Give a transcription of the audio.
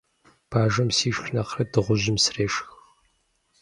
Бажэм сишх нэхърэ дыгъужьым срешх.